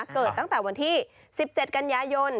เกิดตั้งแต่วันที่๑๗กันยายน